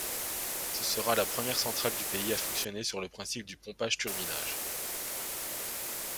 Ce sera la première centrale du pays à fonctionner sur le principe du pompage-turbinage.